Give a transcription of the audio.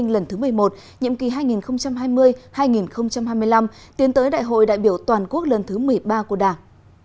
lần thứ một mươi một nhiệm kỳ hai nghìn hai mươi hai nghìn hai mươi năm tiến tới đại hội đại biểu toàn quốc lần thứ một mươi ba của đảng